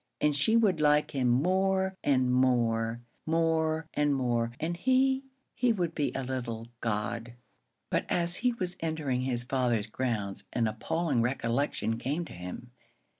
And she would like him more and more more and more. And he he would be a little god. But as he was entering his father's grounds an appalling recollection came to him.